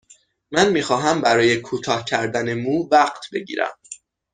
من می خواهم برای کوتاه کردن مو وقت بگیرم.